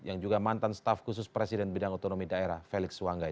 yang juga mantan staf khusus presiden bidang otonomi daerah felix wanggai